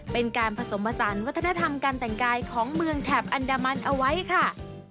เป็นการผสมผสานวัฒนธรรมการแต่งกายของเมืองแถบอันดามันเอาไว้ค่ะ